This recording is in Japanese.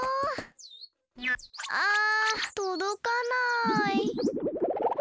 あとどかない。